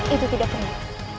itu tidak penuh